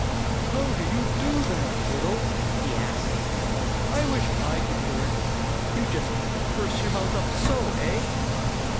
"How do you do that, Toto?" he asked. "I wish I could learn. You just purse your mouth up so, eh?